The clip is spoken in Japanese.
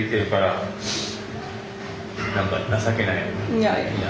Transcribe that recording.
いやいや。